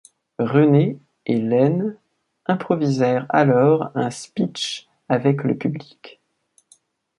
René et Lene improvisèrent alors un speetch avec le public.